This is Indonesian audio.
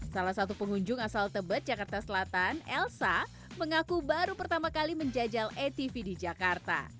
salah satu pengunjung asal tebet jakarta selatan elsa mengaku baru pertama kali menjajal atv di jakarta